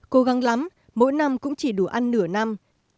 cố gắng lắm mỗi năm cũng chỉ đủ ăn nửa năm